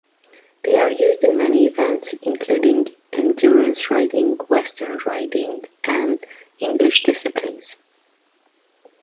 They are used in many events, including endurance riding, western riding and English disciplines.